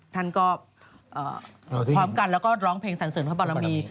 ท่านก็พร้อมกันแล้วก็ร้องเพลงสรรเสริมพระบารมี